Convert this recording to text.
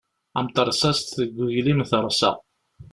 Am terṣast deg uglim terṣa.